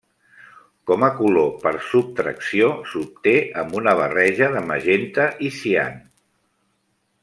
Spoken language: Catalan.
Com a color per subtracció s'obté amb una barreja de magenta i cian.